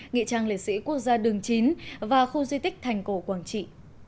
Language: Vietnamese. nghị trang liệt sĩ quốc gia đường chín và khu di tích thành cổ quảng trị